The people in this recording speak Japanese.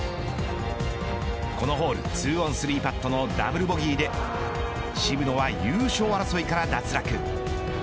このホール、２オン３パットのダブルボギーで渋野は優勝争いから脱落。